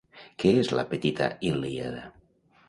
Què és la Petita Ilíada?